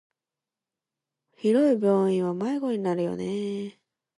広い病院は迷子になるよね。